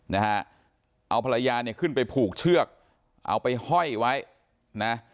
นะฮะเอาภรรยาเนี่ยขึ้นไปผูกเชือกเอาไปห้อยไว้นะ